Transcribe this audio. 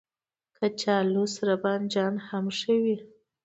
کچالو سره بانجان هم ښه وي